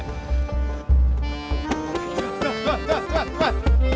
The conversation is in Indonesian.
jangan lupa jangan lupa